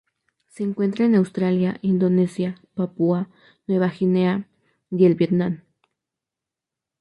Se encuentra en Australia, Indonesia, Papúa Nueva Guinea y el Vietnam.